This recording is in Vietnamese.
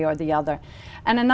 học sinh trung tâm